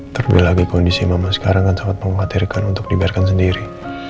terlebih lagi kondisi mama sekarang kan sangat mengkhawatirkan untuk dibiarkan sendiri